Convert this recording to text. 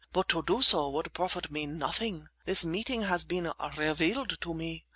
"But to do so would profit me nothing. This meeting has been revealed to me.